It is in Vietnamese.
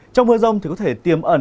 trong mưa rông thì có thể tiêm ẩn